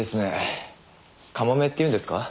かもめっていうんですか？